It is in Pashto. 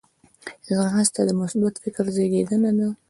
ځغاسته د مثبت فکر زیږنده ده